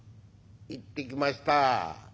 「行ってきました。